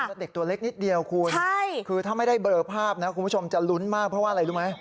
แล้วเด็กตัวเล็กนิดเดียวคุณคือถ้าไม่ได้เบลอภาพนะคุณผู้ชมจะลุ้นมากเพราะว่าอะไรรู้ไหม